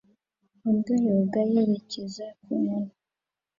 Imbwa yoga yerekeza ku nkoni